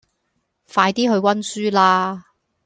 快啲去溫書啦